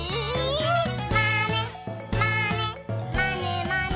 「まねまねまねまね」